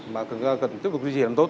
mà cần tiếp tục duy trì làm tốt